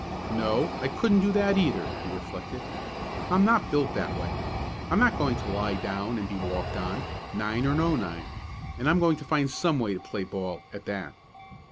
"No, I couldn't do that either," he reflected. "I'm not built that way. I'm not going to lie down and be walked on, nine or no nine, and I'm going to find some way to play ball, at that!"